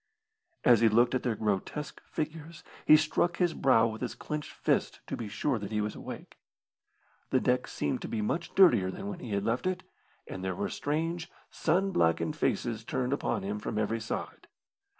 As he looked at their grotesque figures he struck his brow with his clenched fist to be sure that he was awake. The deck seemed to be much dirtier than when he had left it, and there were strange, sun blackened faces turned upon him from every side.